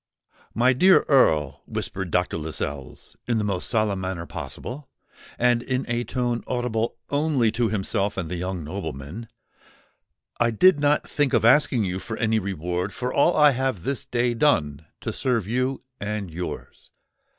"My dear Earl," whispered Dr. Lascelles, in the most solemn manner possible, and in a tone audible only to himself and the young nobleman, "I did not think of asking you for any reward for all I have this day done to serve you and yours.